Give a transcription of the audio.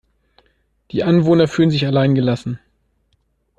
Die Anwohner fühlen sich allein gelassen.